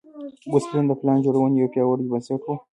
ګوسپلن د پلان جوړونې یو پیاوړی بنسټ و